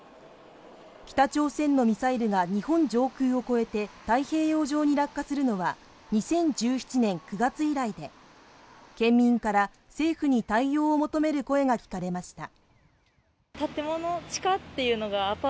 北朝鮮のミサイルが日本上空を越えて太平洋上に落下するのは２０１７年９月以来で県民から政府に対応を求める声が聞かれました